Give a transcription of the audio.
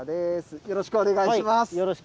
よろしくお願いします。